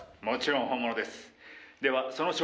もちろん本物です。